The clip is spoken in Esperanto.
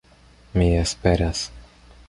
Mi esperas.